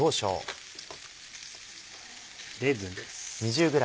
レーズンです。